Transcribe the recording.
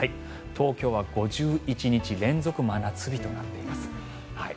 東京は５１日連続真夏日となっています。